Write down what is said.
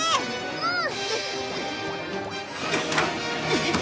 うん？